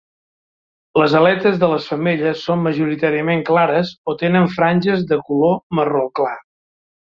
Les aletes de les femelles són majoritàriament clares o tenen franges de color marró clar.